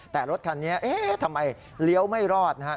แต่รถคันนี้ทำไมเลี้ยวไม่รอด